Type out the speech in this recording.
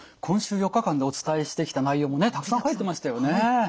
今週４日間でお伝えしてきた内容もねたくさん入ってましたよね。